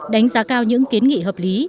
đánh giá cao những kiến nghị hợp lý